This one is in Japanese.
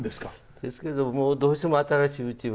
ですけどもどうしても新しいうちは。